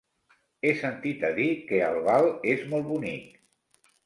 He sentit a dir que Albal és molt bonic.